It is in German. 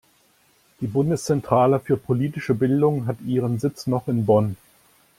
Die Bundeszentrale für politische Bildung hat ihren Sitz noch in Bonn.